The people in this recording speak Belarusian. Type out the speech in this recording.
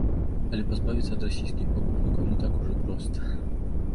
Але пазбавіцца ад расійскіх пакупнікоў не так ужо і проста!